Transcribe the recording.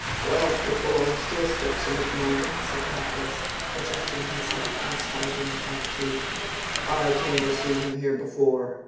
"Well, it belongs to a stepson of mine," said Raffles, adjusting himself in a swaggering attitude. "I came to see him here before.